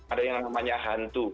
ada yang namanya hantu